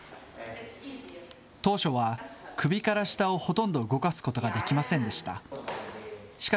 当初は首から下をほとんど動かすことができませんでした。